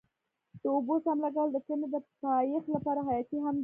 د اوبو سم لګول د کرنې د پایښت لپاره حیاتي مهم دی.